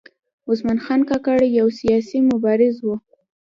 عثمان خان کاکړ یو سیاسي مبارز و .